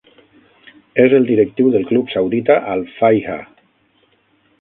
És el directiu del club saudita Al-Fayha.